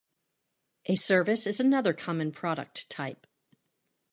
A service is another common product type.